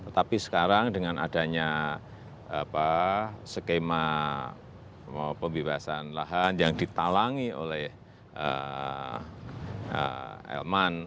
tetapi sekarang dengan adanya skema pembebasan lahan yang ditalangi oleh elman